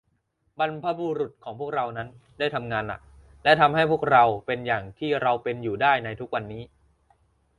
บรรพบุรุษของพวกเรานั้น ได้ทำงานหนัก และ ทำให้พวกเราเป็นอย่างที่เราเป็นอยู่ได้ในทุกวันนี้